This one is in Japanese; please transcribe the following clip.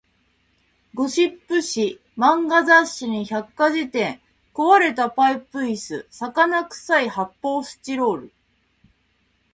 ゴシップ誌、漫画雑誌に百科事典、壊れたパイプ椅子、魚臭い発砲スチロール